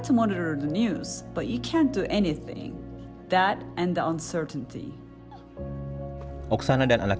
kamu mencoba untuk mengikuti berita tapi kamu tidak bisa melakukan apa apa pun